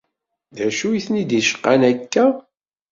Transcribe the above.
D acu i ten-id-icqan akka?